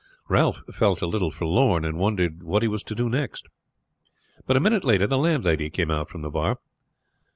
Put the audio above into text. Ralph felt a little forlorn, and wondered what he was to do next. But a minute later the landlady came out from the bar.